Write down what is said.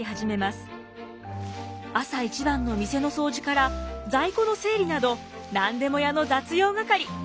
朝一番の店の掃除から在庫の整理など何でも屋の雑用係。